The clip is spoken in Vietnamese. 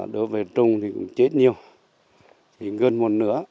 đối với trung thì cũng chết nhiều thì gần một nửa